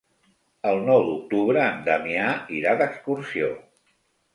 El nou d'octubre en Damià irà d'excursió.